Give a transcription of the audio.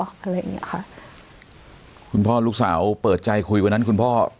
อะไรอย่างเงี้ยค่ะคุณพ่อลูกสาวเปิดใจคุยวันนั้นคุณพ่อ